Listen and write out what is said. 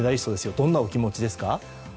どんな気持ちですか？